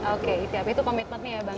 oke itu komitmennya ya bang